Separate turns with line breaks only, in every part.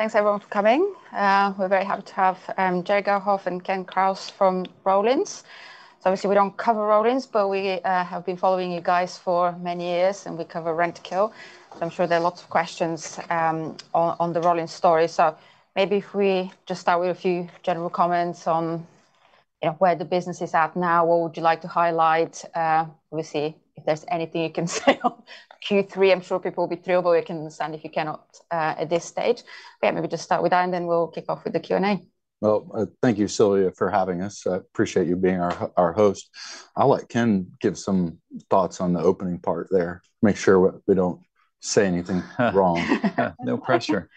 Thanks, everyone, for coming. We're very happy to have Jerry Gahlhoff and Ken Krause from Rollins. So obviously, we don't cover Rollins, but we have been following you guys for many years, and we cover Rentokil. So I'm sure there are lots of questions on the Rollins story. So maybe if we just start with a few general comments on, you know, where the business is at now. What would you like to highlight? We'll see if there's anything you can say on Q3. I'm sure people will be thrilled, but we can understand if you cannot at this stage. Yeah, maybe just start with that, and then we'll kick off with the Q&A.
Thank you, Sylvia, for having us. I appreciate you being our host. I'll let Ken give some thoughts on the opening part there, make sure we don't say anything wrong.
No pressure.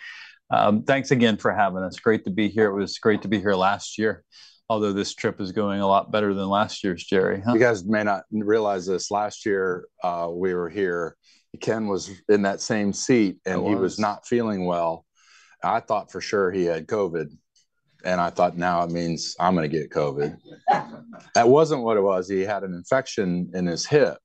Thanks again for having us. Great to be here. It was great to be here last year, although this trip is going a lot better than last year's, Jerry, huh?
You guys may not realize this. Last year, we were here, Ken was in that same seat-
I was...
and he was not feeling well. I thought for sure he had COVID, and I thought, "Now it means I'm gonna get COVID." That wasn't what it was. He had an infection in his hip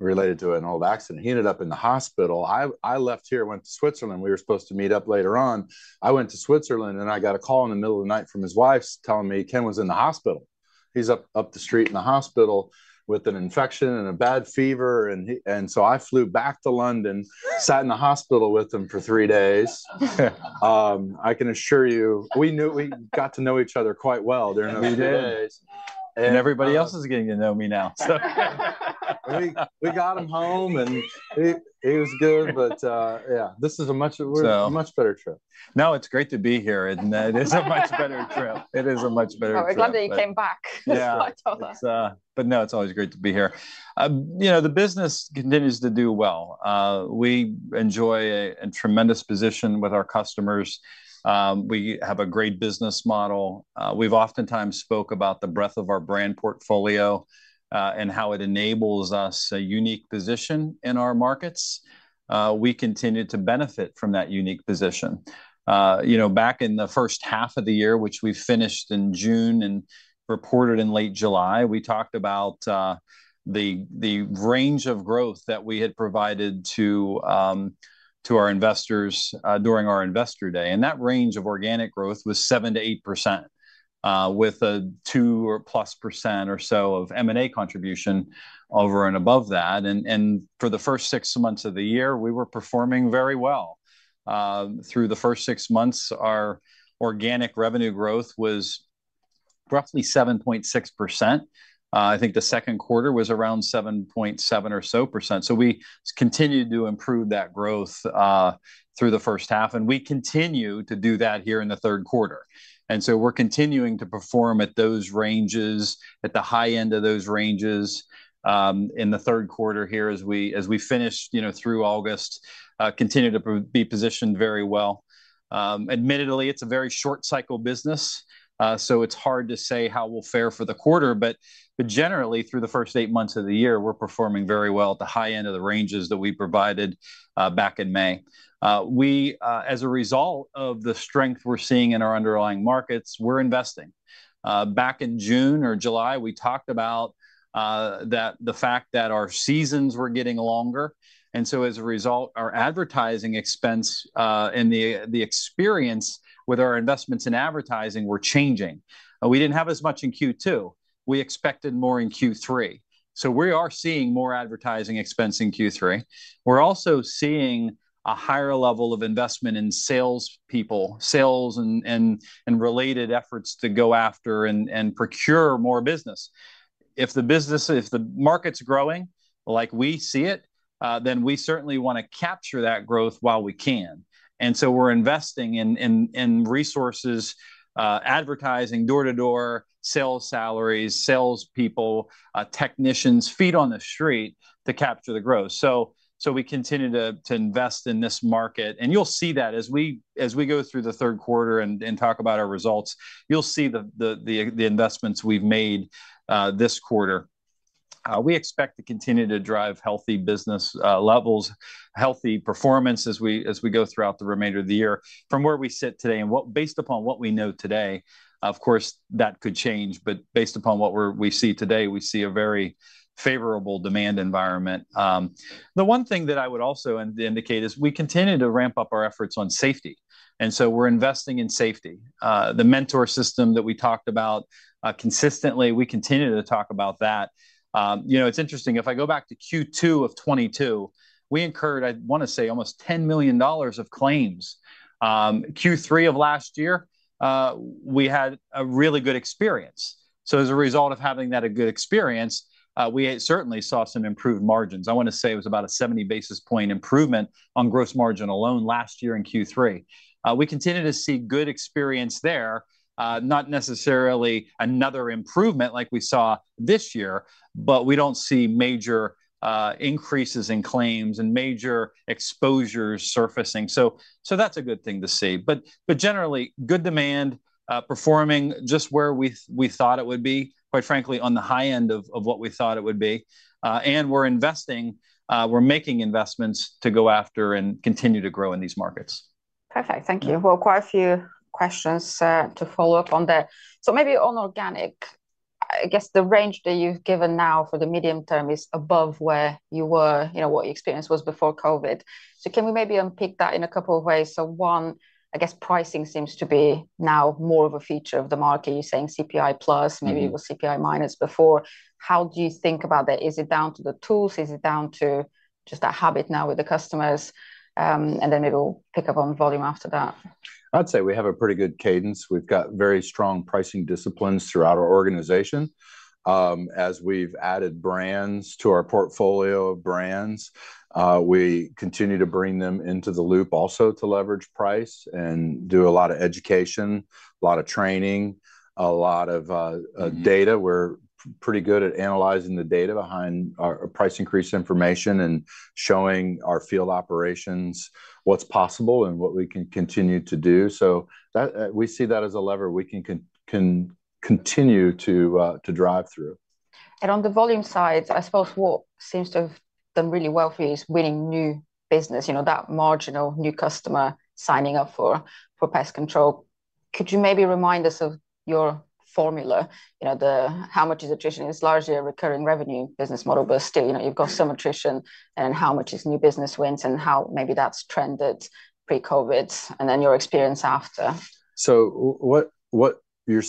related to an old accident. He ended up in the hospital. I left here, went to Switzerland. We were supposed to meet up later on. I went to Switzerland, and I got a call in the middle of the night from his wife telling me Ken was in the hospital. He's up the street in the hospital with an infection and a bad fever, and he... And so I flew back to London, sat in the hospital with him for three days. I can assure you, we knew we got to know each other quite well during those three days.
We did.
And-
Everybody else is getting to know me now, so.
We got him home, and he was good. But yeah, this is a much-
So-
A much better trip.
No, it's great to be here, and it is a much better trip.
We're glad that you came back-
Yeah...
a lot taller.
It's. But no, it's always great to be here. You know, the business continues to do well. We enjoy a tremendous position with our customers. We have a great business model. We've oftentimes spoke about the breadth of our brand portfolio, and how it enables us a unique position in our markets. We continue to benefit from that unique position. You know, back in the first half of the year, which we finished in June and reported in late July, we talked about the range of growth that we had provided to our investors during our Investor Day, and that range of organic growth was 7 to 8%, with a 2 or plus percent or so of M&A contribution over and above that. For the first six months of the year, we were performing very well. Through the first six months, our organic revenue growth was roughly 7.6%. I think the Q2 was around 7.7% or so, so we continued to improve that growth through the first half, and we continue to do that here in the Q3. We're continuing to perform at those ranges, at the high end of those ranges, in the Q3 here as we finish, you know, through August, continue to be positioned very well. Admittedly, it's a very short cycle business, so it's hard to say how we'll fare for the quarter, but generally, through the first eight months of the year, we're performing very well at the high end of the ranges that we provided back in May. As a result of the strength we're seeing in our underlying markets, we're investing. Back in June or July, we talked about the fact that our seasons were getting longer, and so as a result, our advertising expense and the experience with our investments in advertising were changing. We didn't have as much in Q2. We expected more in Q3. So we are seeing more advertising expense in Q3. We're also seeing a higher level of investment in sales people, sales and related efforts to go after and procure more business. If the market's growing, like we see it, then we certainly wanna capture that growth while we can, and so we're investing in resources, advertising, door-to-door, sales salaries, sales people, technicians, feet on the street, to capture the growth. So we continue to invest in this market, and you'll see that. As we go through the Q3 and talk about our results, you'll see the investments we've made this quarter. We expect to continue to drive healthy business levels, healthy performance as we go throughout the remainder of the year. From where we sit today and based upon what we know today, of course, that could change, but based upon what we see today, we see a very favorable demand environment. The one thing that I would also indicate is we continue to ramp up our efforts on safety, and so we're investing in safety. The mentor system that we talked about consistently, we continue to talk about that. You know, it's interesting, if I go back to Q2 of 2022, we incurred, I wanna say, almost $10 million of claims. Q3 of last year, we had a really good experience, so as a result of having that a good experience, we certainly saw some improved margins. I wanna say it was about a 70 basis point improvement on gross margin alone last year in Q3. We continue to see good experience there, not necessarily another improvement like we saw this year, but we don't see major increases in claims and major exposures surfacing, so that's a good thing to see. But generally, good demand, performing just where we thought it would be, quite frankly, on the high end of what we thought it would be, and we're investing. We're making investments to go after and continue to grow in these markets.
Perfect, thank you. Well, quite a few questions to follow up on that. So maybe on organic, I guess the range that you've given now for the medium term is above where you were, you know, what your experience was before COVID. So can we maybe unpick that in a couple of ways? So one, I guess pricing seems to be now more of a feature of the market. You're saying CPI plus-
Mm.
Maybe it was CPI minus before. How do you think about that? Is it down to the tools? Is it down to just a habit now with the customers, and then it'll pick up on volume after that?
I'd say we have a pretty good cadence. We've got very strong pricing disciplines throughout our organization. As we've added brands to our portfolio of brands, we continue to bring them into the loop also to leverage price and do a lot of education, a lot of training, a lot of,
Mm...
data. We're pretty good at analyzing the data behind our price increase information and showing our field operations what's possible and what we can continue to do. So that, we see that as a lever we can continue to drive through.
On the volume side, I suppose what seems to have done really well for you is winning new business, you know, that marginal new customer signing up for pest control. Could you maybe remind us of your formula, you know, the how much is attrition is largely a recurring revenue business model, but still, you know, you've got some attrition, and how much is new business wins, and how maybe that's trended pre-COVID, and then your experience after?
So what you're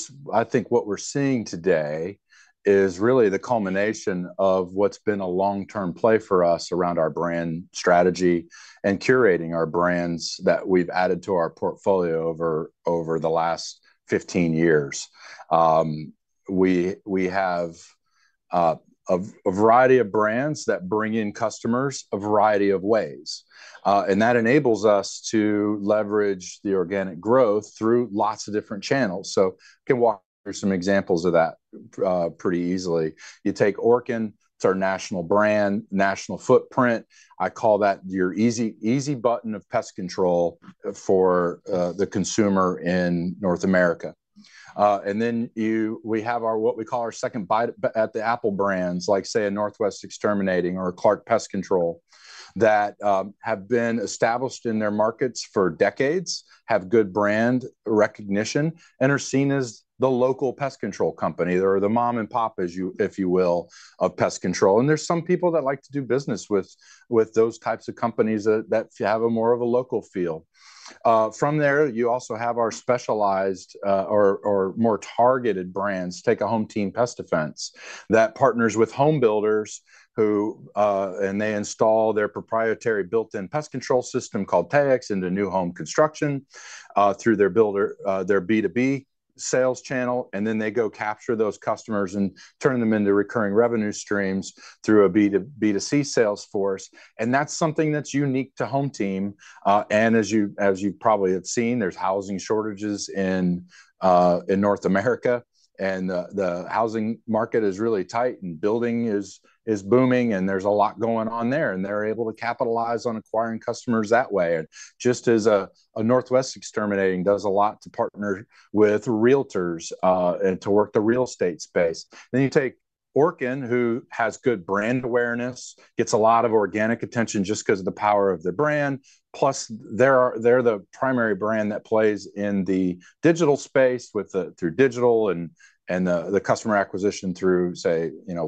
seeing today is really the culmination of what's been a long-term play for us around our brand strategy and curating our brands that we've added to our portfolio over the last 15 years. We have a variety of brands that bring in customers a variety of ways. And that enables us to leverage the organic growth through lots of different channels. I can walk through some examples of that pretty easily. You take Orkin. It's our national brand, national footprint. I call that your easy button of pest control for the consumer in North America. and then we have our, what we call our second bite at the apple brands, like, say, a Northwest Exterminating or a Clark Pest Control, that have been established in their markets for decades, have good brand recognition, and are seen as the local pest control company or the mom and pop, as you, if you will, of pest control. And there's some people that like to do business with those types of companies that have a more of a local feel. From there, you also have our specialized, or more targeted brands. Take a HomeTeam Pest Defense that partners with home builders who and they install their proprietary built-in pest control system called Taexx into new home construction through their builder their B2B sales channel, and then they go capture those customers and turn them into recurring revenue streams through a B2C sales force, and that's something that's unique to HomeTeam. And as you probably have seen, there's housing shortages in in North America, and the housing market is really tight and building is booming, and there's a lot going on there, and they're able to capitalize on acquiring customers that way. Just as a Northwest Exterminating does a lot to partner with realtors and to work the real estate space. Then you take Orkin, who has good brand awareness, gets a lot of organic attention just because of the power of the brand, plus they're the primary brand that plays in the digital space with the through digital and the customer acquisition through, say, you know,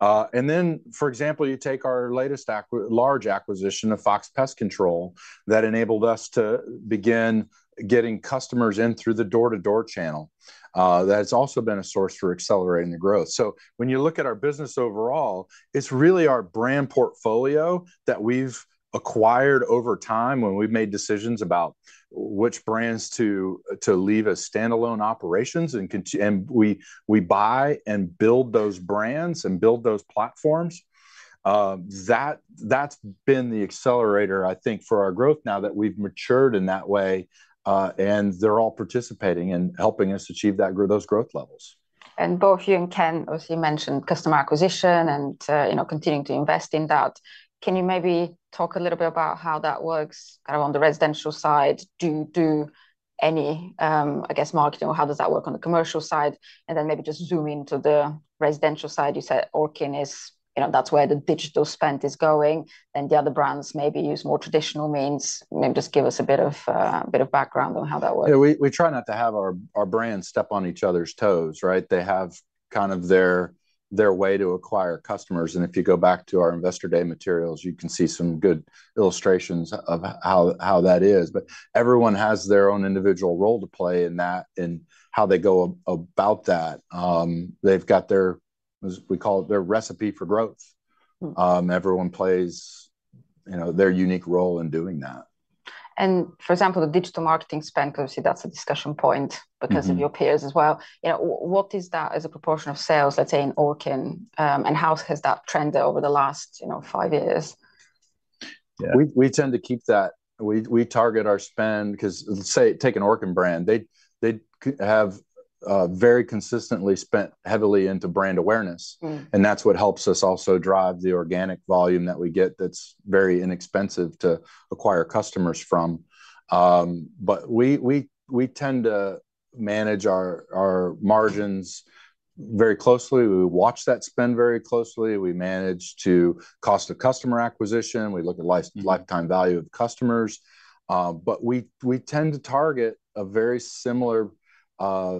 web-based. And then, for example, you take our latest large acquisition of Fox Pest Control, that enabled us to begin getting customers in through the door-to-door channel. That's also been a source for accelerating the growth. So when you look at our business overall, it's really our brand portfolio that we've acquired over time when we've made decisions about which brands to leave as standalone operations, and we buy and build those brands and build those platforms. That's been the accelerator, I think, for our growth now that we've matured in that way, and they're all participating and helping us achieve those growth levels.
Both you and Ken also mentioned customer acquisition and, you know, continuing to invest in that. Can you maybe talk a little bit about how that works kind of on the residential side? Do you do any, I guess, marketing, or how does that work on the commercial side? And then maybe just zoom into the residential side. You said Orkin is, you know, that's where the digital spend is going, and the other brands maybe use more traditional means. Maybe just give us a bit of background on how that works.
Yeah, we try not to have our brands step on each other's toes, right? They have kind of their way to acquire customers, and if you go back to our Investor Day materials, you can see some good illustrations of how that is. But everyone has their own individual role to play in that and how they go about that. They've got their, as we call it, their recipe for growth.
Mm.
Everyone plays, you know, their unique role in doing that.
For example, the digital marketing spend, obviously, that's a discussion point.
Mm-hmm...
because of your peers as well. You know, what is that as a proportion of sales, let's say, in Orkin? And how has that trended over the last, you know, five years?
Yeah, we tend to keep that. We target our spend, because, say, take an Orkin brand, they have very consistently spent heavily into brand awareness.
Mm.
And that's what helps us also drive the organic volume that we get that's very inexpensive to acquire customers from. But we tend to manage our margins very closely. We watch that spend very closely. We manage the cost of customer acquisition, we look at lifetime value of the customers. But we tend to target a very similar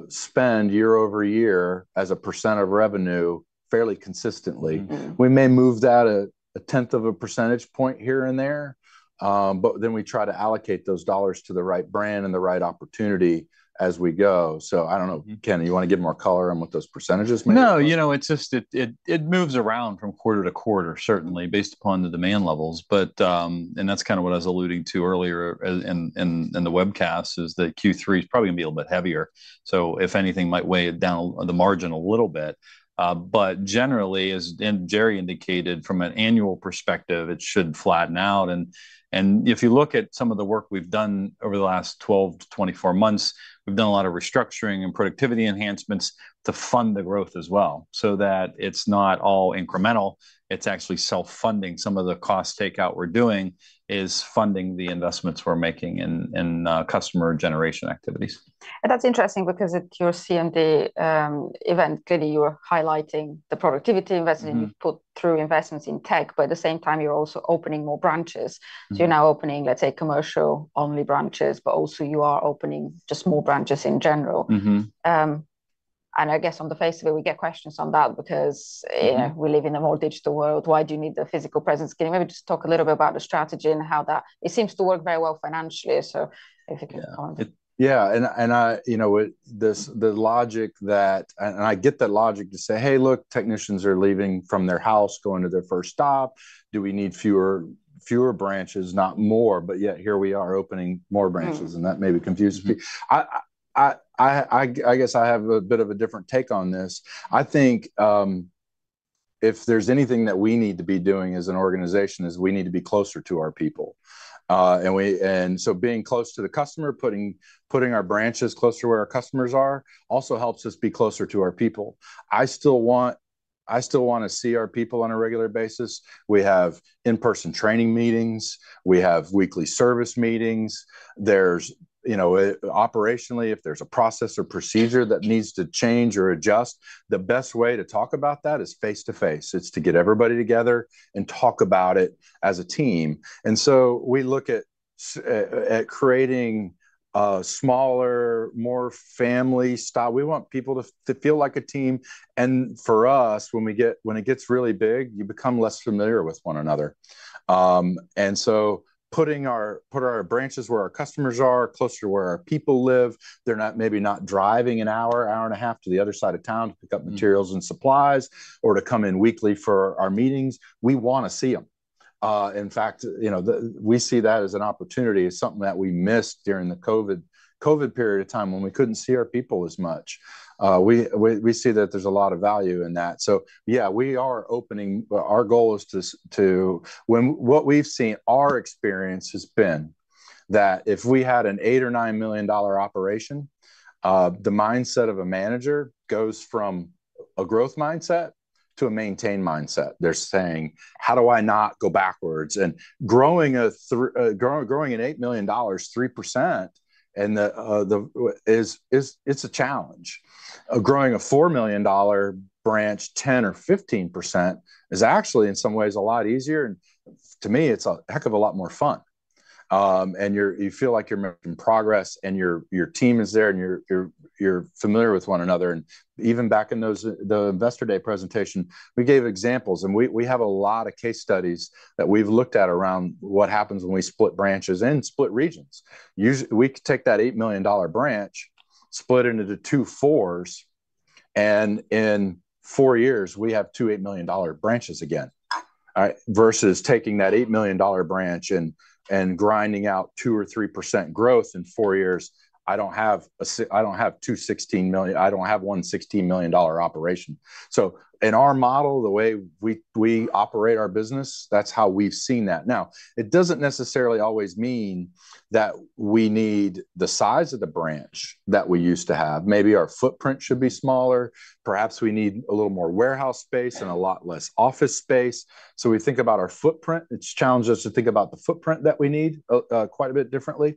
spend year over year as a % of revenue fairly consistently.
Mm-hmm.
We may move that a tenth of a percentage point here and there, but then we try to allocate those dollars to the right brand and the right opportunity as we go. So I don't know, Ken, you want to give more color on what those percentages may look like?
No, you know, it's just it moves around from quarter to quarter, certainly, based upon the demand levels, but that's kind of what I was alluding to earlier in the webcast, is that Q3 is probably going to be a little bit heavier, so if anything, it might weigh it down on the margin a little bit, but generally, as Jerry indicated, from an annual perspective, it should flatten out, and if you look at some of the work we've done over the last 12 to 24 months, we've done a lot of restructuring and productivity enhancements to fund the growth as well, so that it's not all incremental, it's actually self-funding. Some of the cost takeout we're doing is funding the investments we're making in customer generation activities.
And that's interesting because at your CMD event, clearly you were highlighting the productivity investment.
Mm...
you've put through investments in tech, but at the same time you're also opening more branches.
Mm.
So you're now opening, let's say, commercial-only branches, but also you are opening just more branches in general?
Mm-hmm.
And I guess on the face of it, we get questions on that because we live in a more digital world. Why do you need the physical presence? Can you maybe just talk a little bit about the strategy and how that... It seems to work very well financially, so if you can comment.
Yeah. And I, you know, the logic that... And I get that logic to say, "Hey, look, technicians are leaving from their house, going to their first stop. Do we need fewer branches, not more?" But yet here we are opening more branches-
Mm...
and that may be confusing. I guess I have a bit of a different take on this. I think, if there's anything that we need to be doing as an organization, is we need to be closer to our people. And so being close to the customer, putting our branches closer to where our customers are, also helps us be closer to our people. I still want to see our people on a regular basis. We have in-person training meetings, we have weekly service meetings. There's, you know, operationally, if there's a process or procedure that needs to change or adjust, the best way to talk about that is face-to-face. It's to get everybody together and talk about it as a team. And so we look at creating smaller, more family-style... We want people to feel like a team. And for us, when it gets really big, you become less familiar with one another. And so putting our branches where our customers are, closer to where our people live, they're not maybe not driving an hour and a half to the other side of town-
Mm...
to pick up materials and supplies, or to come in weekly for our meetings. We want to see them. In fact, you know, we see that as an opportunity. It's something that we missed during the COVID period of time when we couldn't see our people as much. We see that there's a lot of value in that. So yeah, we are opening... But our goal is to... What we've seen, our experience has been, that if we had an $8 or $9 million operation, the mindset of a manager goes from a growth mindset to a maintain mindset. They're saying: "How do I not go backwards?" And growing an $8 million 3%, and it's a challenge. Growing a $4 million branch 10% or 15% is actually, in some ways, a lot easier, and to me, it's a heck of a lot more fun. And you feel like you're making progress, and your team is there, and you're familiar with one another. And even back in those, the Investor Day presentation, we gave examples, and we have a lot of case studies that we've looked at around what happens when we split branches and split regions. Usually, we could take that $8 million branch, split it into the two fours, and in four years we have two $8 million branches again. All right? Versus taking that $8 million branch and grinding out 2%-3% growth in four years, I don't have two $16 million. I don't have one $16 million operation. So in our model, the way we operate our business, that's how we've seen that. Now, it doesn't necessarily always mean that we need the size of the branch that we used to have. Maybe our footprint should be smaller, perhaps we need a little more warehouse space and a lot less office space. So we think about our footprint. It's challenged us to think about the footprint that we need quite a bit differently,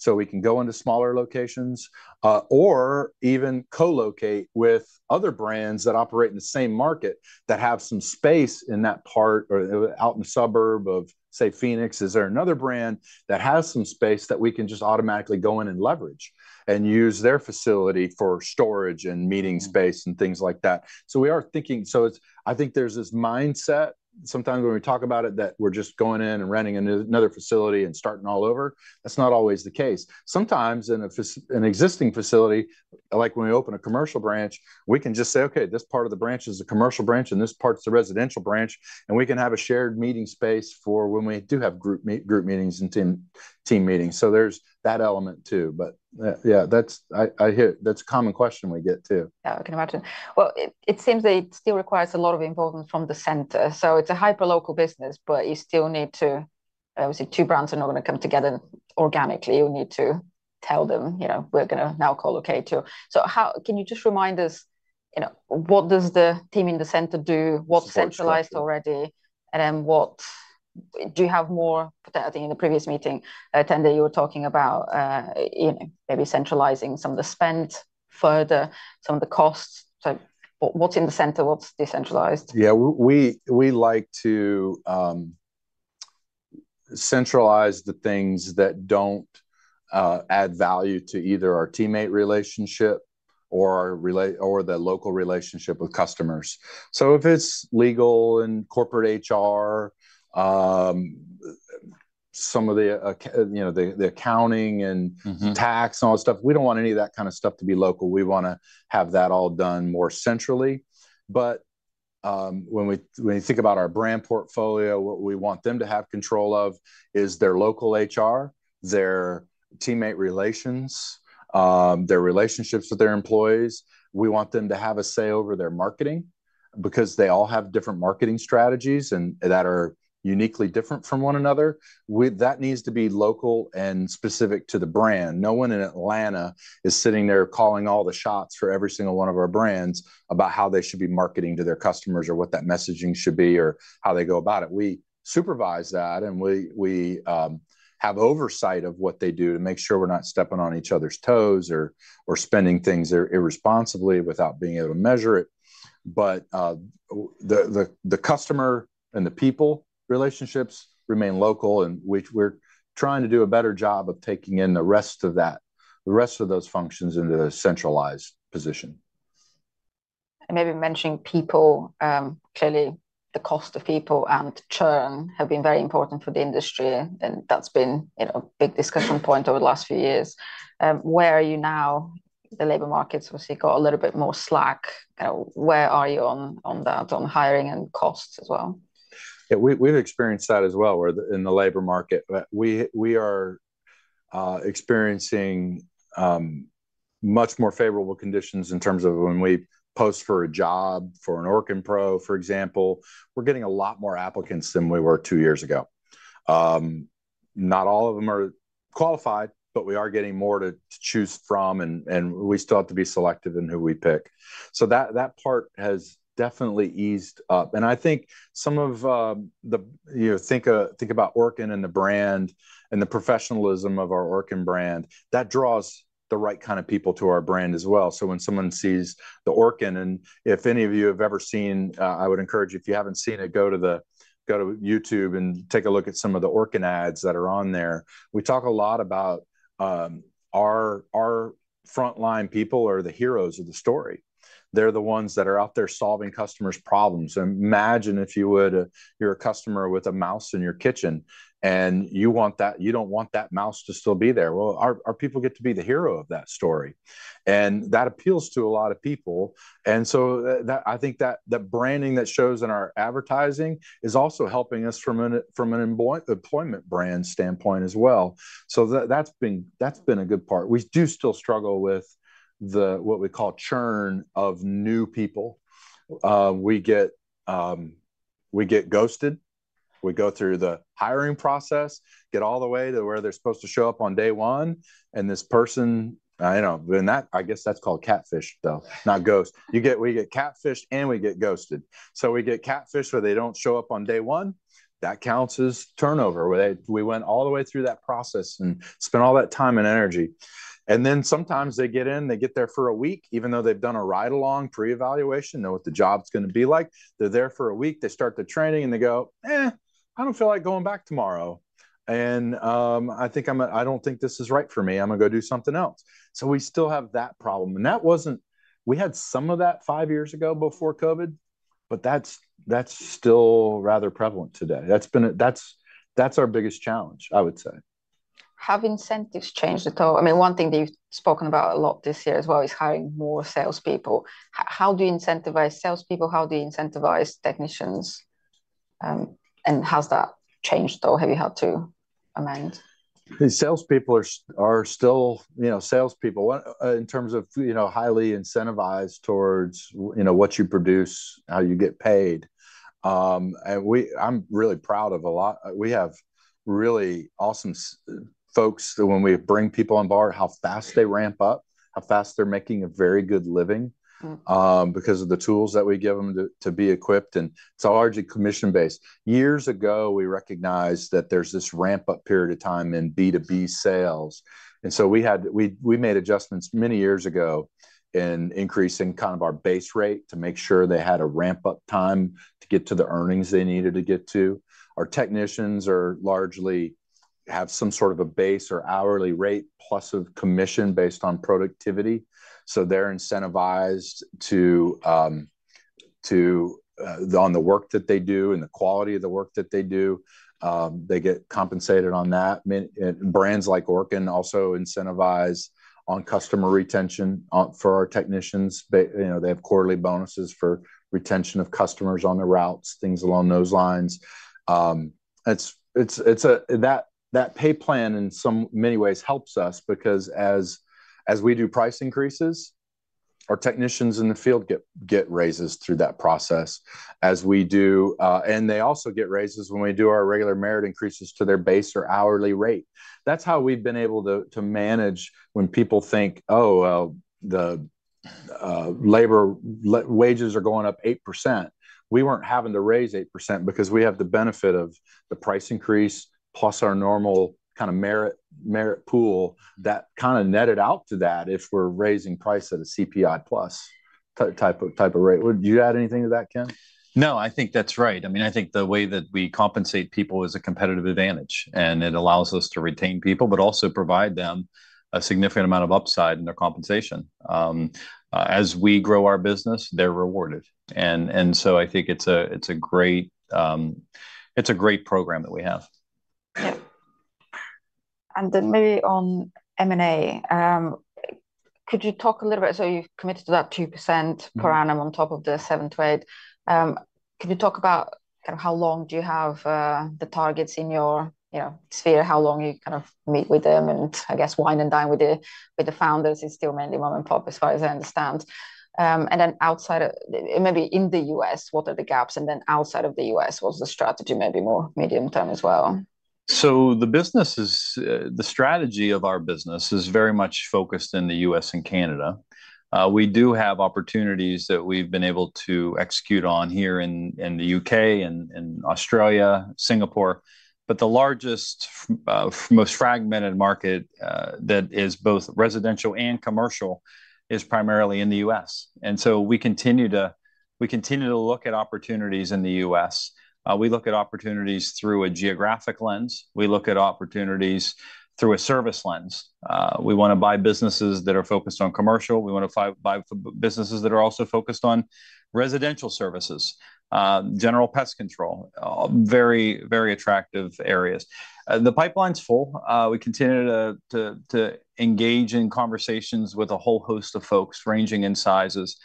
so we can go into smaller locations or even co-locate with other brands that operate in the same market, that have some space in that part or out in the suburb of, say, Phoenix. Is there another brand that has some space that we can just automatically go in and leverage, and use their facility for storage and meeting space-
Mm...
and things like that? So we are thinking. So it's, I think there's this mindset, sometimes when we talk about it, that we're just going in and renting another facility and starting all over. That's not always the case. Sometimes in an existing facility, like when we open a commercial branch, we can just say, "Okay, this part of the branch is a commercial branch, and this part is a residential branch," and we can have a shared meeting space for when we do have group meetings and team meetings. So there's that element, too. But, yeah, that's, I hear. That's a common question we get, too.
Yeah, I can imagine. Well, it seems that it still requires a lot of involvement from the center, so it's a hyper-local business, but you still need to... Obviously, two brands are not going to come together organically. You need to tell them, you know, "We're going to now co-locate you." So how can you just remind us... you know, what does the team in the center do? What's centralized? What's centralized already, and then what do you have more? I think in the previous meeting, Ken, you were talking about, you know, maybe centralizing some of the spend further, some of the costs. So what, what's in the center, what's decentralized?
Yeah, we like to centralize the things that don't add value to either our teammate relationship or our rela- or the local relationship with customers. So if it's legal and corporate HR, some of the accounting and-
Mm-hmm...
tax, and all that stuff, we don't want any of that kind of stuff to be local. We want to have that all done more centrally. But when we think about our brand portfolio, what we want them to have control of is their local HR, their teammate relations, their relationships with their employees. We want them to have a say over their marketing, because they all have different marketing strategies and that are uniquely different from one another. That needs to be local and specific to the brand. No one in Atlanta is sitting there calling all the shots for every single one of our brands, about how they should be marketing to their customers, or what that messaging should be, or how they go about it. We supervise that, and we have oversight of what they do to make sure we're not stepping on each other's toes or spending things irresponsibly without being able to measure it. But the customer and the people relationships remain local, and which we're trying to do a better job of taking in the rest of that, the rest of those functions into a centralized position.
Maybe mentioning people, clearly the cost of people and churn have been very important for the industry, and that's been, you know, a big discussion point over the last few years. Where are you now? The labor markets, obviously, got a little bit more slack. Where are you on, on that, on hiring and costs as well?
Yeah, we've experienced that as well in the labor market. But we are experiencing much more favorable conditions in terms of when we post for a job, for an Orkin Pro, for example. We're getting a lot more applicants than we were two years ago. Not all of them are qualified, but we are getting more to choose from, and we still have to be selective in who we pick. So that part has definitely eased up, and I think some of the... You know, think about Orkin and the brand, and the professionalism of our Orkin brand. That draws the right kind of people to our brand as well. So when someone sees the Orkin, and if any of you have ever seen, I would encourage you, if you haven't seen it, go to YouTube and take a look at some of the Orkin ads that are on there. We talk a lot about our frontline people are the heroes of the story. They're the ones that are out there solving customers' problems. Imagine, if you would, you're a customer with a mouse in your kitchen, and you don't want that mouse to still be there. Well, our people get to be the hero of that story, and that appeals to a lot of people. And so, I think that the branding that shows in our advertising is also helping us from an employment brand standpoint as well. So that, that's been, that's been a good part. We do still struggle with the, what we call churn of new people. We get, we get ghosted. We go through the hiring process, get all the way to where they're supposed to show up on day one, and this person, you know, and that, I guess that's called catfish, though, not ghost. You get. We get catfished, and we get ghosted. So we get catfished, where they don't show up on day one. That counts as turnover, where they. We went all the way through that process and spent all that time and energy. And then sometimes they get in, they get there for a week, even though they've done a ride-along pre-evaluation, know what the job's gonna be like. They're there for a week, they start the training, and they go, "Eh, I don't feel like going back tomorrow, and I think I'm... I don't think this is right for me. I'm gonna go do something else." So we still have that problem, and that wasn't. We had some of that five years ago before COVID, and that's still rather prevalent today. That's our biggest challenge, I would say.
Have incentives changed at all? I mean, one thing that you've spoken about a lot this year as well is hiring more salespeople. How do you incentivize salespeople? How do you incentivize technicians, and has that changed at all? Have you had to amend?
The salespeople are still, you know, salespeople. In terms of, you know, highly incentivized towards, you know, what you produce, how you get paid, and I'm really proud of a lot we have really awesome folks, that when we bring people on board, how fast they ramp up, how fast they're making a very good living.
Mm-hmm...
because of the tools that we give them to be equipped, and it's largely commission-based. Years ago, we recognized that there's this ramp-up period of time in B2B sales, and so we made adjustments many years ago in increasing kind of our base rate, to make sure they had a ramp-up time to get to the earnings they needed to get to. Our technicians largely have some sort of a base or hourly rate, plus a commission based on productivity. So they're incentivized to on the work that they do and the quality of the work that they do, they get compensated on that. And brands like Orkin also incentivize on customer retention. For our technicians, you know, they have quarterly bonuses for retention of customers on the routes, things along those lines. It's that pay plan in so many ways helps us, because as we do price increases, our technicians in the field get raises through that process, and they also get raises when we do our regular merit increases to their base or hourly rate. That's how we've been able to manage when people think, "Oh, well, the labor wages are going up 8%. We weren't having to raise 8% because we have the benefit of the price increase, plus our normal kind of merit pool that kind of netted out to that if we're raising price at a CPI plus type of rate. Would you add anything to that, Ken?
No, I think that's right. I mean, I think the way that we compensate people is a competitive advantage, and it allows us to retain people, but also provide them a significant amount of upside in their compensation. As we grow our business, they're rewarded, and so I think it's a great program that we have.
Yeah. And then maybe on M&A, could you talk a little bit, so you've committed to that 2% per annum on top of the 7%-8%. Could you talk about kind of how long do you have the targets in your, you know, sphere? How long you kind of meet with them, and I guess, wine and dine with the founders? It's still mainly mom-and-pop, as far as I understand. And then outside of... Maybe in the U.S., what are the gaps, and then outside of the U.S., what's the strategy, maybe more medium-term as well?
So the business is the strategy of our business is very much focused in the U.S. and Canada. We do have opportunities that we've been able to execute on here in the U.K., and in Australia, Singapore. But the largest most fragmented market that is both residential and commercial is primarily in the U.S. And so we continue to look at opportunities in the U.S. We look at opportunities through a geographic lens. We look at opportunities through a service lens. We want to buy businesses that are focused on commercial. We want to buy businesses that are also focused on residential services, general pest control, very, very attractive areas. The pipeline's full. We continue to engage in conversations with a whole host of folks ranging in sizes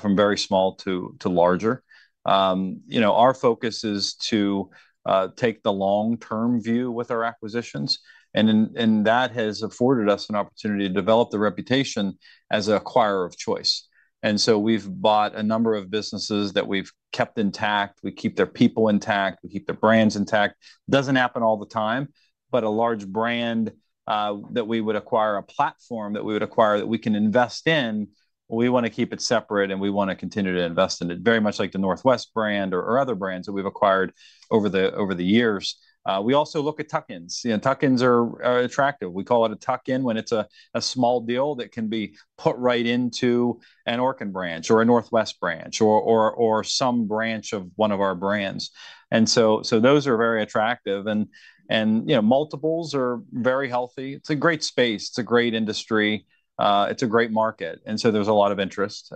from very small to larger. You know, our focus is to take the long-term view with our acquisitions, and that has afforded us an opportunity to develop the reputation as an acquirer of choice, and so we've bought a number of businesses that we've kept intact. We keep their people intact. We keep their brands intact. Doesn't happen all the time, but a large brand that we would acquire, a platform that we would acquire that we can invest in, we want to keep it separate, and we want to continue to invest in it, very much like the Northwest brand or other brands that we've acquired over the years. We also look at tuck-ins. You know, tuck-ins are attractive. We call it a tuck-in when it's a small deal that can be put right into an Orkin branch or a Northwest branch or some branch of one of our brands. So those are very attractive and, you know, multiples are very healthy. It's a great space. It's a great industry. It's a great market, and so there's a lot of interest.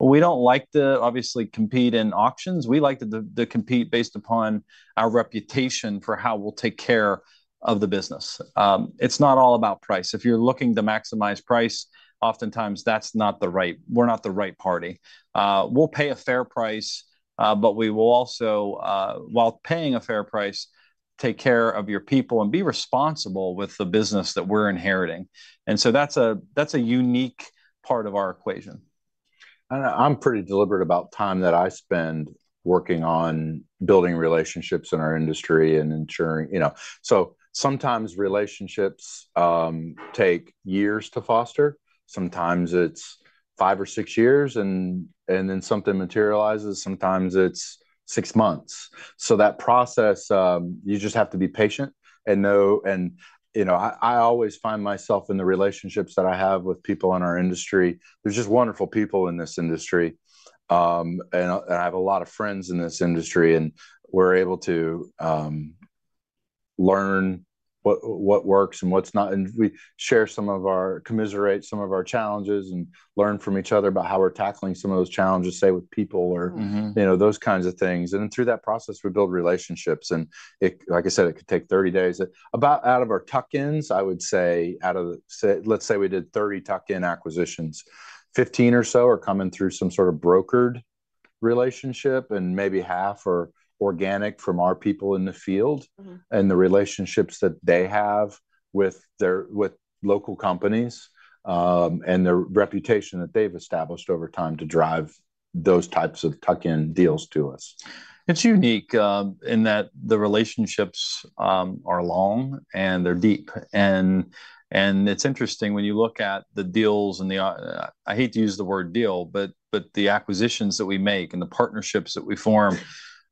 We don't like to obviously compete in auctions. We like to compete based upon our reputation for how we'll take care of the business. It's not all about price. If you're looking to maximize price, oftentimes that's not the right. We're not the right party. We'll pay a fair price, but we will also, while paying a fair price, take care of your people and be responsible with the business that we're inheriting, and so that's a unique part of our equation. I'm pretty deliberate about time that I spend working on building relationships in our industry and ensuring, you know. So sometimes relationships take years to foster. Sometimes it's five or six years, and then something materializes. Sometimes it's six months. So that process, you just have to be patient and know, you know, I always find myself in the relationships that I have with people in our industry. There's just wonderful people in this industry. And I have a lot of friends in this industry, and we're able to learn what works and what's not, and we commiserate some of our challenges and learn from each other about how we're tackling some of those challenges, say, with people or- Mm-hmm...
you know, those kinds of things. And then through that process, we build relationships, and it, like I said, it could take thirty days. About out of our tuck-ins, I would say out of, say, let's say we did thirty tuck-in acquisitions, fifteen or so are coming through some sort of brokered relationship, and maybe half are organic from our people in the field-
Mm-hmm...
and the relationships that they have with their local companies, and the reputation that they've established over time to drive those types of tuck-in deals to us.
It's unique in that the relationships are long, and they're deep. It's interesting when you look at the deals and the I hate to use the word deal, but the acquisitions that we make and the partnerships that we form.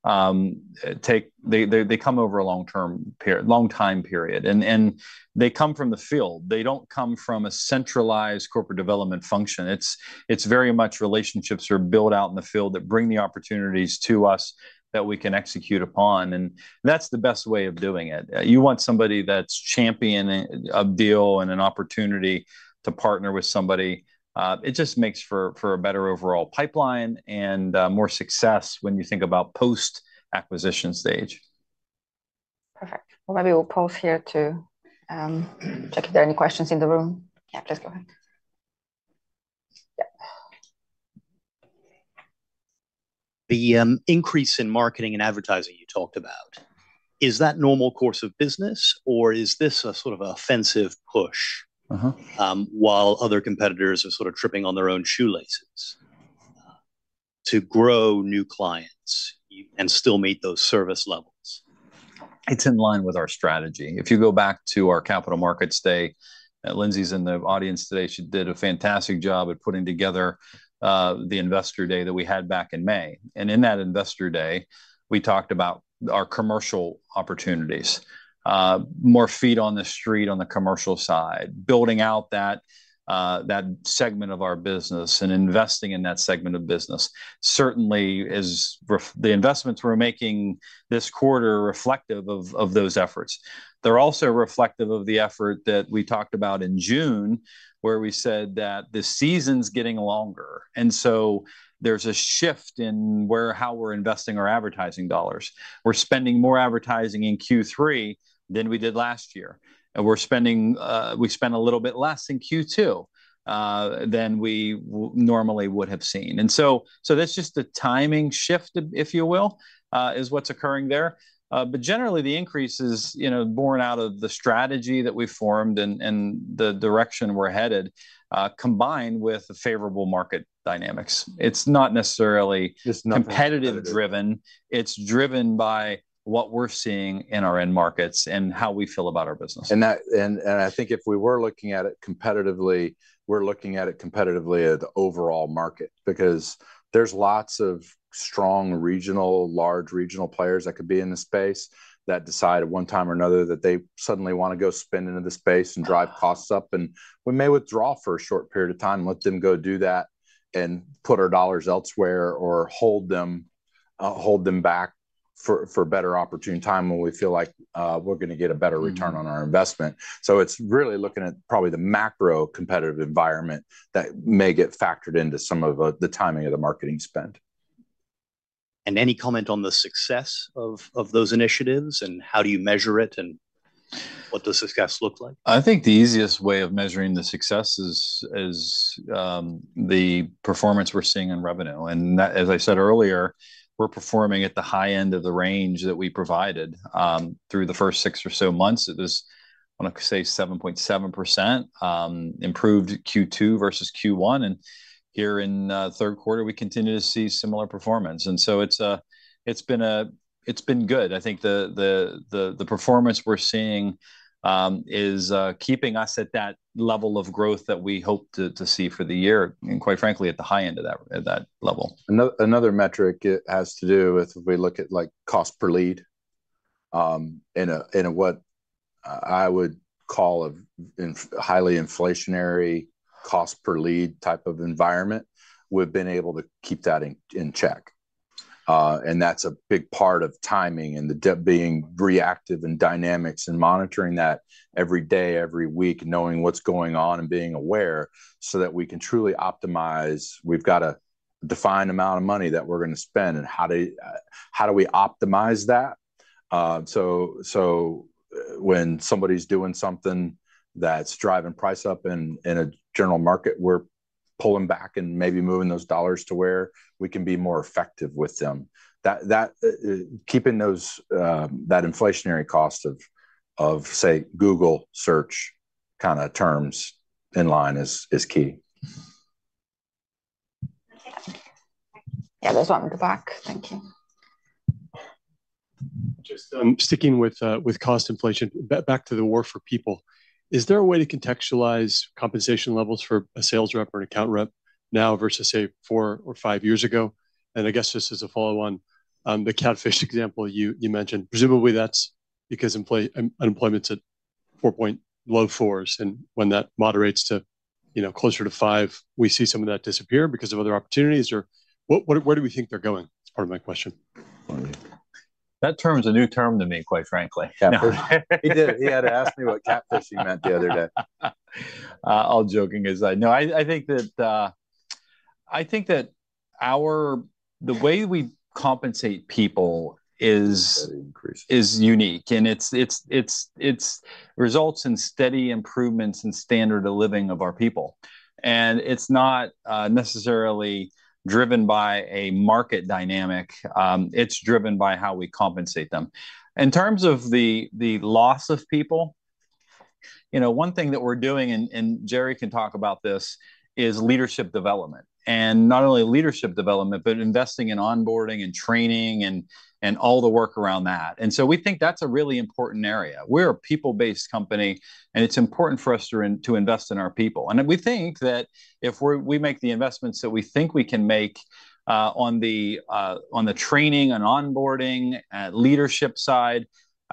They come over a long-term period, long time period. They come from the field. They don't come from a centralized corporate development function. It's very much relationships are built out in the field that bring the opportunities to us that we can execute upon, and that's the best way of doing it. You want somebody that's championing a deal and an opportunity to partner with somebody. It just makes for a better overall pipeline and more success when you think about post-acquisition stage.
Perfect. Well, maybe we'll pause here to check if there are any questions in the room. Yeah, please go ahead. Yeah. The increase in marketing and advertising you talked about, is that normal course of business, or is this a sort of offensive push?
Mm-hmm... while other competitors are sort of tripping on their own shoelaces to grow new clients and still meet those service levels? It's in line with our strategy. If you go back to our Capital Markets Day, Lindsay's in the audience today. She did a fantastic job at putting together the investor day that we had back in May. And in that investor day, we talked about our commercial opportunities. More feet on the street on the commercial side, building out that that segment of our business, and investing in that segment of business. Certainly, the investments we're making this quarter are reflective of those efforts. They're also reflective of the effort that we talked about in June, where we said that the season's getting longer, and so there's a shift in how we're investing our advertising dollars. We're spending more advertising in Q3 than we did last year, and we're spending, we spent a little bit less in Q2, than we normally would have seen. And so, so that's just a timing shift, if you will, is what's occurring there. But generally, the increase is, you know, born out of the strategy that we formed and, and the direction we're headed, combined with the favorable market dynamics. It's not necessarily-
Just nothing...
Competitively driven. It's driven by what we're seeing in our end markets and how we feel about our business.
I think if we were looking at it competitively, we're looking at it competitively at the overall market. Because there's lots of strong regional, large regional players that could be in the space, that decide at one time or another that they suddenly want to go spend into the space and drive costs up. And we may withdraw for a short period of time and let them go do that, and put our dollars elsewhere, or hold them, hold them back for a better opportune time when we feel like we're gonna get a better return on our investment. So it's really looking at probably the macro competitive environment that may get factored into some of the timing of the marketing spend. Any comment on the success of those initiatives, and how do you measure it, and what does success look like?
I think the easiest way of measuring the success is the performance we're seeing in revenue, and that, as I said earlier, we're performing at the high end of the range that we provided through the first six or so months. It is, I want to say, 7.7% improved Q2 versus Q1, and here in Q3, we continue to see similar performance, and so it's been good. I think the performance we're seeing is keeping us at that level of growth that we hope to see for the year, and quite frankly, at the high end of that, at that level.
Another metric it has to do with, if we look at, like, cost per lead, in a what I would call a highly inflationary cost per lead type of environment, we've been able to keep that in check. And that's a big part of timing and being reactive and dynamics and monitoring that every day, every week, knowing what's going on and being aware, so that we can truly optimize. We've got a defined amount of money that we're gonna spend, and how do we optimize that? So when somebody's doing something that's driving price up in a general market, we're pulling back and maybe moving those dollars to where we can be more effective with them. That, keeping those, that inflationary cost of, say, Google search kind of terms in line is key.
Yeah, there's one in the back. Thank you. Just, sticking with, with cost inflation, back to the war for people, is there a way to contextualize compensation levels for a sales rep or an account rep now versus, say, four or five years ago? And I guess just as a follow-on, the catfish example you mentioned, presumably that's because employment's at four-point-low fours, and when that moderates to, you know, closer to five, we see some of that disappear because of other opportunities? Or what, where do we think they're going, is part of my question?
That term is a new term to me, quite frankly.
Catfish? He had to ask me what catfishing meant the other day.
All joking aside, no, I think that our... the way we compensate people is-
Increased...
is unique, and it results in steady improvements in standard of living of our people, and it's not necessarily driven by a market dynamic. It's driven by how we compensate them. In terms of the loss of people, you know, one thing that we're doing, and Jerry can talk about this, is leadership development. And not only leadership development, but investing in onboarding and training and all the work around that, and so we think that's a really important area. We're a people-based company, and it's important for us to invest in our people. And we think that if we make the investments that we think we can make, on the training and onboarding, leadership side,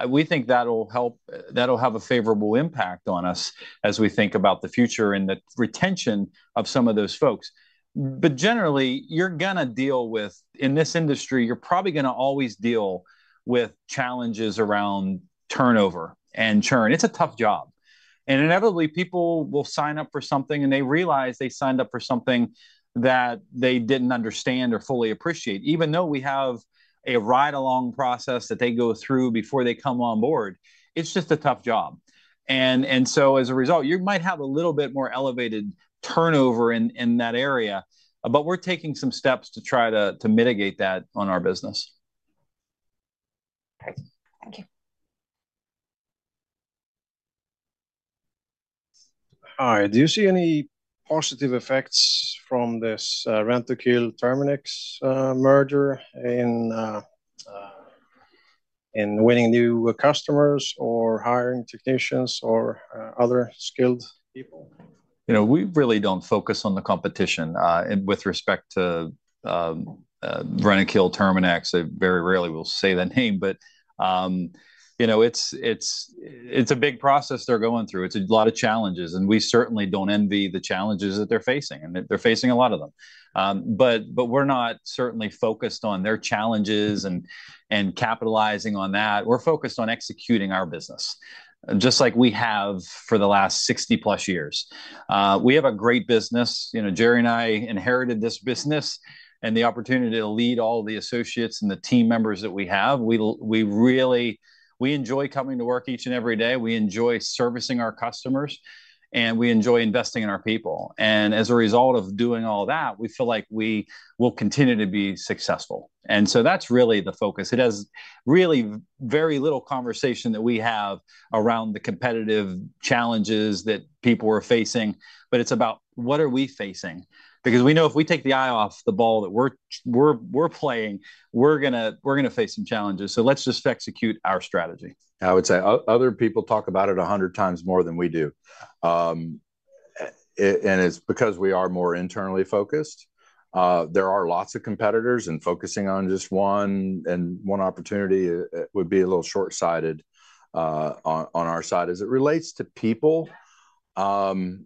we think that'll have a favorable impact on us as we think about the future and the retention of some of those folks. But generally, you're gonna deal with, in this industry, you're probably gonna always deal with challenges around turnover and churn. It's a tough job, and inevitably, people will sign up for something, and they realize they signed up for something that they didn't understand or fully appreciate. Even though we have a ride-along process that they go through before they come on board, it's just a tough job. And so as a result, you might have a little bit more elevated turnover in that area, but we're taking some steps to try to mitigate that on our business.... Hi, do you see any positive effects from this, Rentokil Initial merger in winning new customers or hiring technicians or other skilled people? You know, we really don't focus on the competition, and with respect to Rentokil Initial, I very rarely will say that name, but you know, it's a big process they're going through. It's a lot of challenges, and we certainly don't envy the challenges that they're facing, and they're facing a lot of them. But we're not certainly focused on their challenges and capitalizing on that. We're focused on executing our business, just like we have for the last sixty-plus years. We have a great business. You know, Jerry and I inherited this business and the opportunity to lead all the associates and the team members that we have. We really enjoy coming to work each and every day, we enjoy servicing our customers, and we enjoy investing in our people. As a result of doing all that, we feel like we will continue to be successful, and so that's really the focus. It has really very little conversation that we have around the competitive challenges that people are facing, but it's about what are we facing? Because we know if we take the eye off the ball that we're playing, we're gonna face some challenges, so let's just execute our strategy.
I would say other people talk about it a hundred times more than we do. And it's because we are more internally focused. There are lots of competitors, and focusing on just one and one opportunity, it would be a little short-sighted on our side. As it relates to people, and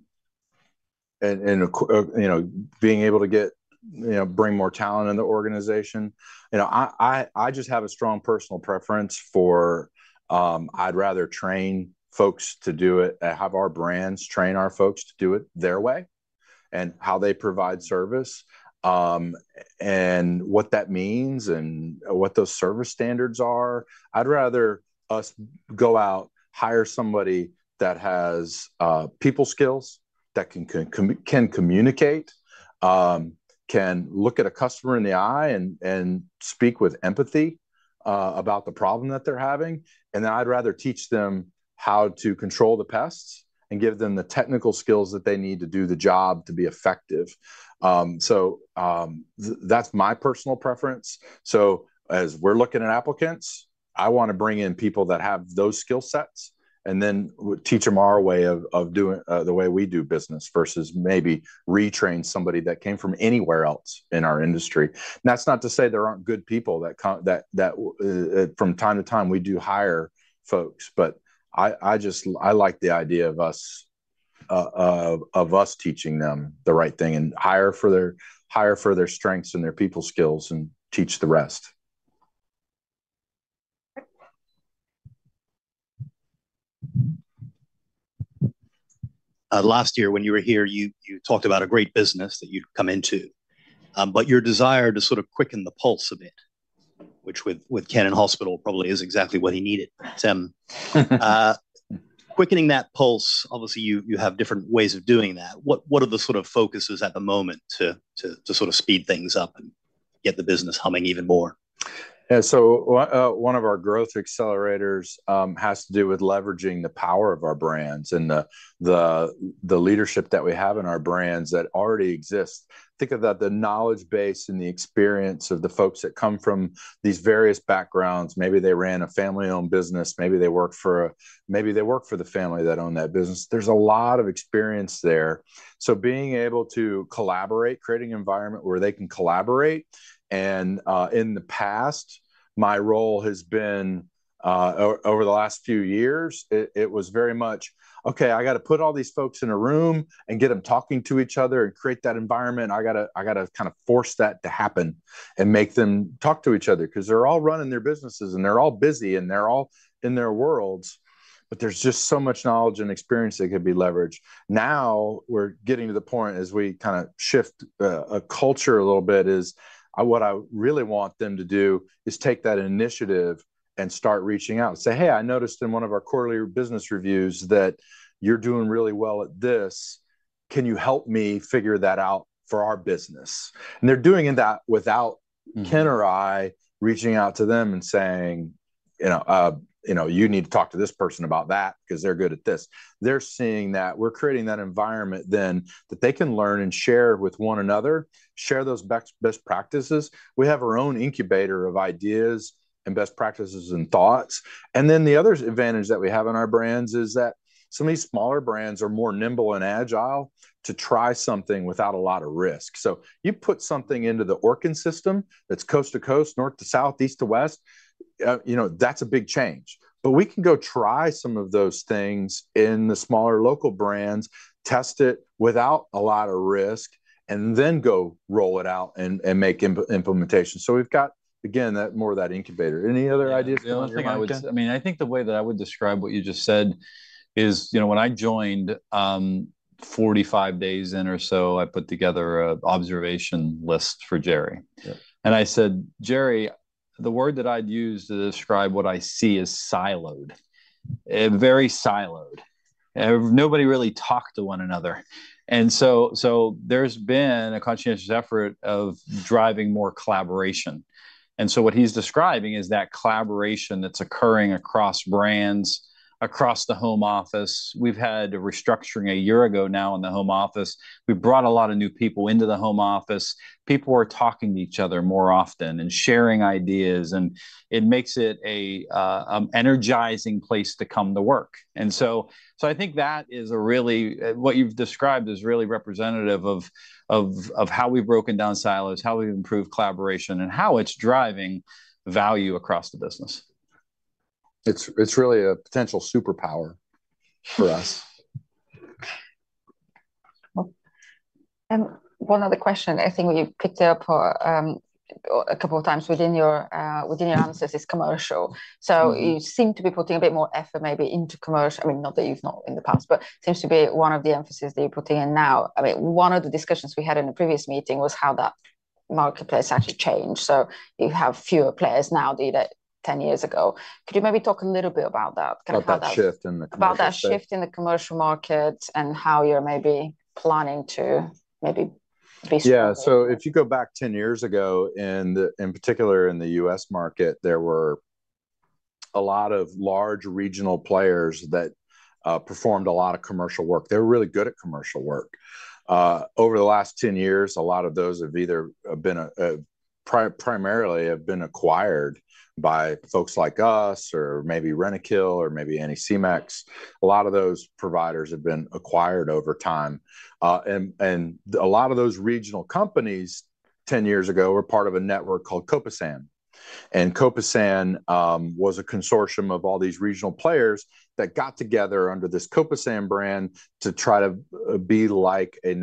you know, being able to get you know bring more talent in the organization, you know, I just have a strong personal preference for, I'd rather train folks to do it, have our brands train our folks to do it their way, and how they provide service, and what that means and what those service standards are. I'd rather us go out, hire somebody that has people skills, that can communicate, can look at a customer in the eye and speak with empathy about the problem that they're having, and then I'd rather teach them how to control the pests and give them the technical skills that they need to do the job to be effective. That's my personal preference. So as we're looking at applicants, I want to bring in people that have those skill sets, and then teach them our way of doing the way we do business, versus maybe retrain somebody that came from anywhere else in our industry. That's not to say there aren't good people that, that... From time to time, we do hire folks, but I just like the idea of us teaching them the right thing and hire for their strengths and their people skills, and teach the rest. Last year when you were here, you talked about a great business that you'd come into, but your desire to sort of quicken the pulse a bit, which with Ken in hospital, probably is exactly what he needed. Quickening that pulse, obviously, you have different ways of doing that. What are the sort of focuses at the moment to sort of speed things up and get the business humming even more? Yeah, so one of our growth accelerators has to do with leveraging the power of our brands and the leadership that we have in our brands that already exist. Think of the knowledge base and the experience of the folks that come from these various backgrounds. Maybe they ran a family-owned business, maybe they worked for the family that owned that business. There's a lot of experience there. So being able to collaborate, creating an environment where they can collaborate, and in the past, my role has been over the last few years, it was very much, "Okay, I gotta put all these folks in a room and get them talking to each other and create that environment. I gotta kind of force that to happen and make them talk to each other, 'cause they're all running their businesses, and they're all busy, and they're all in their worlds, but there's just so much knowledge and experience that could be leveraged. Now, we're getting to the point, as we kind of shift a culture a little bit, is what I really want them to do is take that initiative and start reaching out and say, "Hey, I noticed in one of our quarterly business reviews that you're doing really well at this. Can you help me figure that out for our business?" And they're doing that without Ken or I reaching out to them and saying, you know, "You need to talk to this person about that, 'cause they're good at this." They're seeing that we're creating that environment, then, that they can learn and share with one another, share those best practices. We have our own incubator of ideas and best practices and thoughts. And then the other advantage that we have in our brands is that some of these smaller brands are more nimble and agile to try something without a lot of risk. So you put something into the Orkin system, that's coast to coast, north to south, east to west, that's a big change. But we can go try some of those things in the smaller local brands, test it without a lot of risk, and then go roll it out and make implementation. So we've got again that more of that incubator. Any other ideas, Ken?
The only thing I would... I mean, I think the way that I would describe what you just said is, you know, when I joined, forty-five days in or so, I put together an observation list for Jerry.
Yeah.
I said, "Jerry, the word that I'd use to describe what I see is siloed, very siloed." Nobody really talked to one another. So there's been a conscientious effort of driving more collaboration. So what he's describing is that collaboration that's occurring across brands across the home office. We've had a restructuring a year ago now in the home office. We've brought a lot of new people into the home office. People are talking to each other more often and sharing ideas, and it makes it an energizing place to come to work. So I think that is a really what you've described is really representative of how we've broken down silos, how we've improved collaboration, and how it's driving value across the business.
It's really a potential superpower for us.
One other question. I think we've picked up on a couple of times within your answers is commercial. So you seem to be putting a bit more effort maybe into commercial. I mean, not that you've not in the past, but it seems to be one of the emphasis that you're putting in now. I mean, one of the discussions we had in the previous meeting was how that marketplace actually changed. So you have fewer players now than 10 years ago. Could you maybe talk a little bit about that, kind of how that-
About that shift in the commercial space?
About that shift in the commercial market, and how you're maybe planning to maybe be-
Yeah. So if you go back 10 years ago, in particular in the U.S. market, there were a lot of large regional players that performed a lot of commercial work. They were really good at commercial work. Over the last ten years, a lot of those have either primarily been acquired by folks like us or maybe Rentokil or maybe Anticimex. A lot of those providers have been acquired over time. And a lot of those regional companies, 10 years ago, were part of a network called Copesan. And Copesan was a consortium of all these regional players that got together under this Copesan brand to try to be like a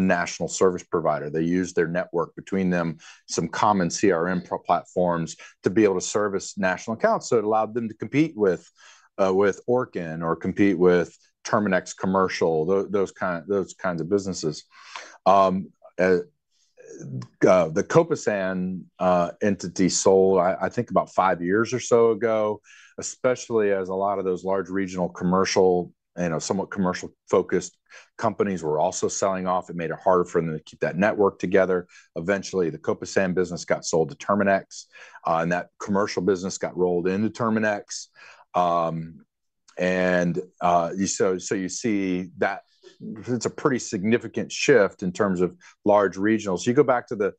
national service provider. They used their network between them, some common CRM pro platforms, to be able to service national accounts. So it allowed them to compete with Orkin or compete with Terminix Commercial, those kinds of businesses. The Copesan entity sold, I think about five years or so ago, especially as a lot of those large regional commercial, you know, somewhat commercial-focused companies were also selling off. It made it harder for them to keep that network together. Eventually, the Copesan business got sold to Terminix, and that commercial business got rolled into Terminix. And so you see that it's a pretty significant shift in terms of large regionals. You go back to the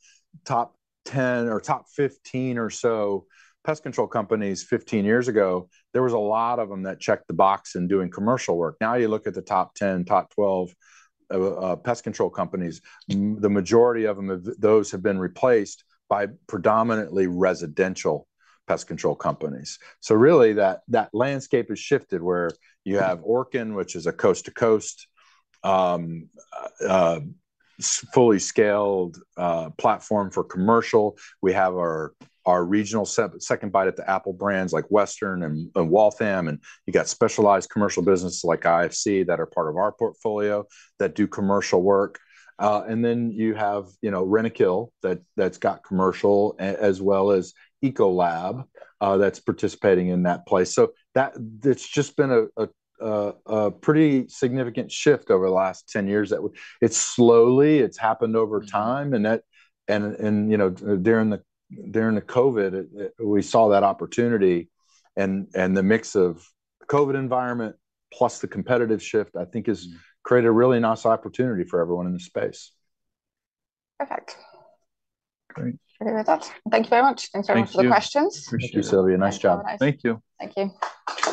top 10 or top 15 or so pest control companies 15 years ago, there was a lot of them that checked the box in doing commercial work. Now, you look at the top ten, top twelve, pest control companies, the majority of them, of those have been replaced by predominantly residential pest control companies. So really, that landscape has shifted where you have Orkin, which is a coast-to-coast, fully scaled, platform for commercial. We have our regional second bite at the apple brands like Western and Waltham, and you've got specialized commercial businesses like IFC that are part of our portfolio, that do commercial work. And then you have, you know, Rentokil, that's got commercial, as well as Ecolab, that's participating in that place. So that it's just been a pretty significant shift over the last ten years. That it's slowly, it's happened over time, and that... You know, during the COVID, we saw that opportunity, and the mix of the COVID environment plus the competitive shift, I think, has created a really nice opportunity for everyone in this space.
Perfect.
Great.
Okay with that. Thank you very much.
Thank you.
Thanks very much for the questions.
Appreciate it.
Thank you, Sylvia. Nice job.
Thank you.
Thank you.